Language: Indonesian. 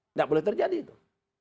tidak boleh terjadi itu